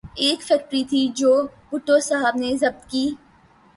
ایک فیکٹری تھی جو بھٹو صاحب نے ضبط کی۔